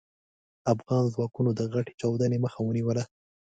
افغان ځواکونو د غټې چاودنې مخه ونيوله.